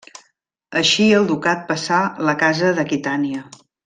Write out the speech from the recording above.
Així el ducat passà la casa d'Aquitània.